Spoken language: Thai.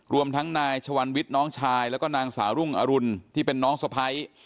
รวมทั้งนายชวันวิทย์น้องชายแล้วก็นางสาวรุ่งอรุณที่เป็นน้องสะพ้าย